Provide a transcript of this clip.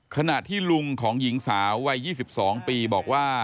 ขณะที่ลุงของหญิงสาววัย๒๒ปีบอกว่า